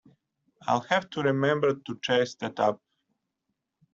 I’ll have to remember to chase that up.